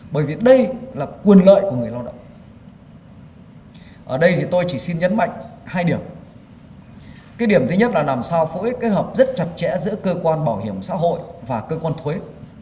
bảo hiểm xã hội và cơ quan thuế